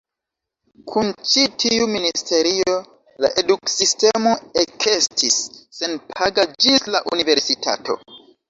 Kun ĉi tiu ministerio, la eduksistemo ekestis senpaga ĝis la Universitato.